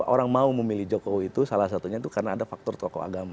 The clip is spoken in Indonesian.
orang mau memilih jokowi itu salah satunya itu karena ada faktor tokoh agama